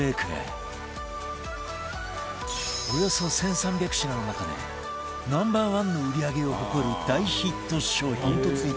およそ１３００品の中で Ｎｏ．１ の売り上げを誇る大ヒット商品